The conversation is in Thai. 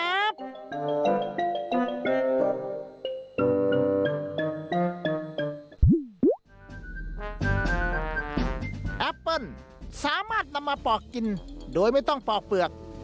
แอปเปิ้ลสามารถนำมาปอกกินโดยไม่ต้องปอกเปลือก